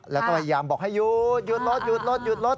แล้วก็พยายามบอกให้หยุดหยุดรถหยุดรถหยุดรถ